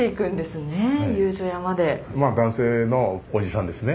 まあ男性のおじさんですね。